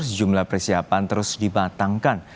sejumlah persiapan terus dibatangkan